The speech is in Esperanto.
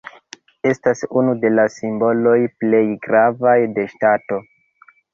Estas unu de la simboloj plej gravaj de ŝtato.